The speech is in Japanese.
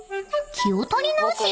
［気を取り直し